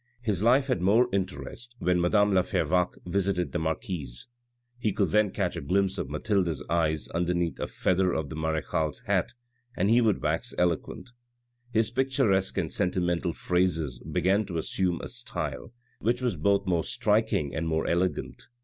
His life had more interest, when madame la Fervaques visited the marquise ; he could then catch a glimpse of Mathilde's eyes underneath a feather of the marechale's hat, and he would wax eloquent. His pictur esque and sentimental phrases began to assume a style, which was both more striking and more elegant.